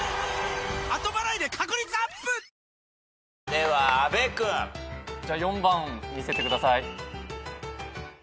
では阿部君。じゃ４番見せてください。